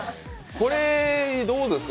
これ、どうですか？